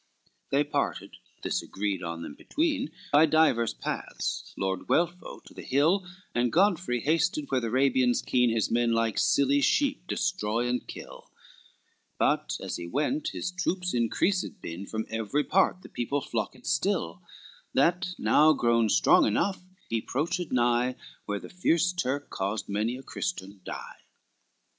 XLV They parted, this agreed on them between, By divers paths, Lord Guelpho to the hill, And Godfrey hasted where the Arabians keen His men like silly sheep destroy and kill; But as he went his troops increased been, From every part the people flocked still, That now grown strong enough, he 'proached nigh Where the fierce Turk caused many a Christian die.